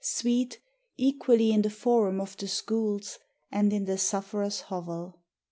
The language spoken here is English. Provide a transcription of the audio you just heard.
sweet Equally in the forum of the schools, And in the sufferer's hovel.